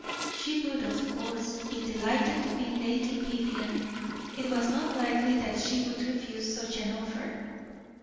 She would, of course, be delighted to be Lady Vivianne; it was not likely that she would refuse such an offer.